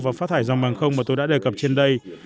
và phát thải dòng bằng không mà tôi đã đề cập trên đây